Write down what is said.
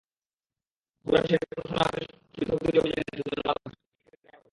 বগুড়ার শেরপুর থানা-পুলিশ পৃথক দুটি অভিযানে দুজন মাদক বিক্রেতাকে আটক করা হয়েছে।